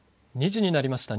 ２時になりました。